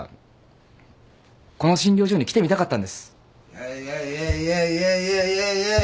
・やいやいやいやいやいやいやいやい。